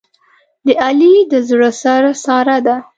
د علي د زړه سر ساره ده.